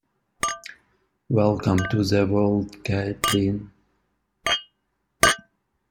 Welcome to the world Caitlyn.